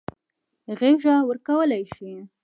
غېږه ورکولای شي.